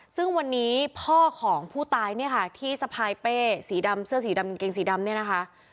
ซึ่งวันนี้พ่อของผู้ตายเนี่ยค่ะที่สะพายเป้สีดำเสื้อสีดำกางเกงสีดำเนี่ยนะคะ